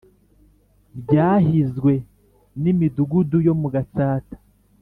byahizwe ni Midugudu yo mu Gatsata